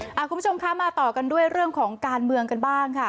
คุณผู้ชมคะมาต่อกันด้วยเรื่องของการเมืองกันบ้างค่ะ